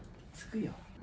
つくよ。